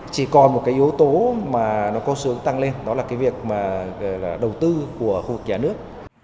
chỉ còn một cái yếu tố mà nó có sướng tăng lên đó là cái việc mà đầu tư của khu vực nhà nước